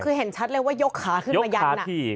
คือเห็นชัดเลยว่ายกขาขึ้นมายัน